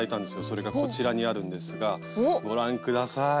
それがこちらにあるんですがご覧下さい。